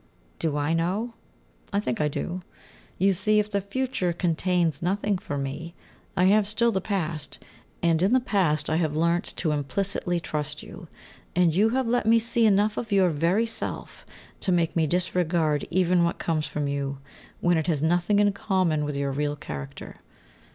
Do I know? I think I do. You see, if the future contains nothing for me, I have still the past and, in that past, I have learnt to implicitly trust you, and you have let me see enough of your very self to make me disregard even what comes from you, when it has nothing in common with your real character.